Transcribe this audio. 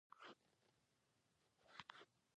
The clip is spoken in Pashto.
پرتګال کې د فوتبال سره د خلکو مینه ډېره زیاته ده.